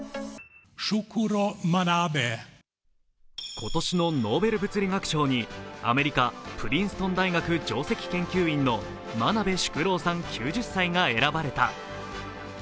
今年のノーベル医学生理学賞にアメリカ・プリンストン大学上席研究員の真鍋淑郎さん、９０歳が選ばれた。